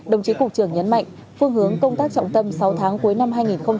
đồng chí cục trưởng nhấn mạnh phương hướng công tác trọng tâm sáu tháng cuối năm hai nghìn hai mươi